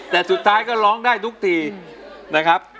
แต่สุดท้ายก็ร้องได้ทุกทีนะครับ